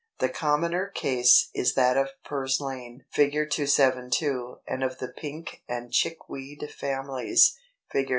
= The commoner case is that of Purslane (Fig. 272) and of the Pink and Chickweed families (Fig.